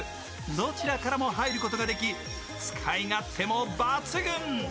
どちらからも入ることができ使い勝手も抜群。